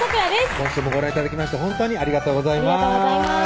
今週もご覧頂きまして本当にありがとうございます